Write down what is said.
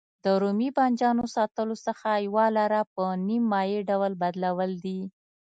د رومي بانجانو ساتلو څخه یوه لاره په نیم مایع ډول بدلول دي.